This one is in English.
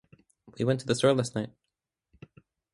We went to the store last night.